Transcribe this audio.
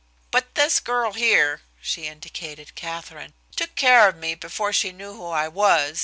"But this girl here" she indicated Katherine "took care of me before she knew who I was.